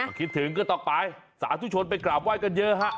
คิดถึงก็ต้องไปสาธุชนไปกราบไห้กันเยอะฮะ